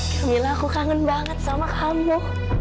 bila aku kangen banget sama kamu